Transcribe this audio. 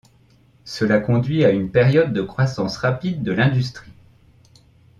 Cela conduit à une période de croissance rapide de l'industrie.